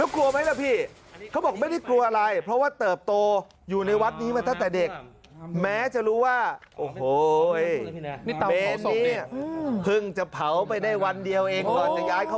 ก็ใช้ชีวิตให้มันอย่าเครียด